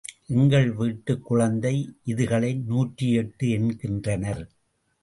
எங்கள் வீட்டுக் குழந்தை இதுகளை நூற்றி எட்டு என்கின்றனர்.